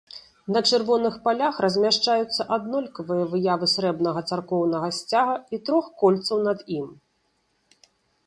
На чырвоных палях размяшчаюцца аднолькавыя выявы срэбнага царкоўнага сцяга і трох кольцаў над ім.